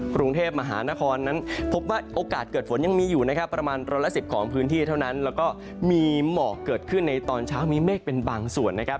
กรุงเทพมหานครนั้นพบว่าโอกาสเกิดฝนยังมีอยู่นะครับประมาณร้อยละสิบของพื้นที่เท่านั้นแล้วก็มีหมอกเกิดขึ้นในตอนเช้ามีเมฆเป็นบางส่วนนะครับ